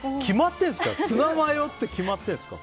ツナマヨって決まってるんですか？